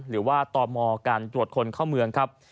หรือว่าตมการตรวจคนเข้าเมืองครับ